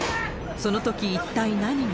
そのとき、一体何が。